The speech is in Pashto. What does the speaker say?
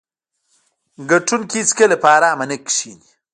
ګټونکي هیڅکله په ارامه نه کیني.